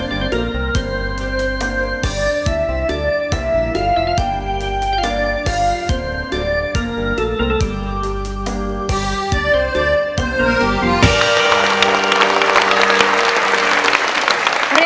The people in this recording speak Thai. ขอบคุณครับ